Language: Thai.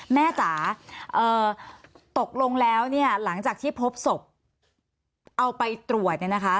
แม่จ๋าตกลงแล้วหลังจากที่พบศพเอาไปตรวจนะคะ